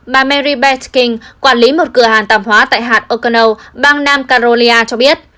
bà mary beth king quản lý một cửa hàng tạm hóa tại hạt o connell bang nam carolina cho biết